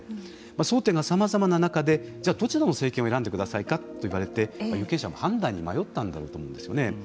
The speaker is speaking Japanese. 争点がさまざまな中でどちらの政権を選んでくださいと言われて有権者も判断に迷ったんだろうと思うんですね。